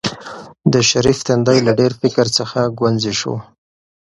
د شریف تندی له ډېر فکر څخه ګونځې شو.